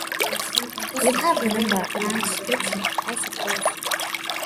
You have the number and description, I suppose?